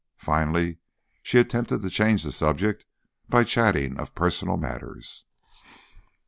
Finally she attempted to change the subject by chatting of personal matters.